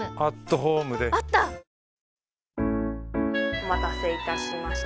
お待たせいたしました。